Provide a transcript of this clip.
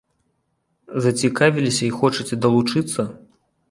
Зацікавіліся і хочаце далучыцца?